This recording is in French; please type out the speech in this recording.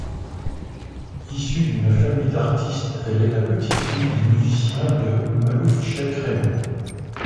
Issue d'une famille d'artistes, elle est la petite-fille du musicien de malouf Cheikh Raymond.